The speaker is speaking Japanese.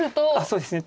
そうですね